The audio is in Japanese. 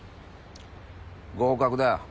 合格だよ。